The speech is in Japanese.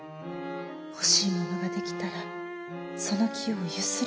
ほしいものができたらそのきをゆするんですよ。